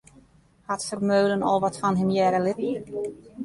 Hat Vermeulen al wat fan him hearre litten?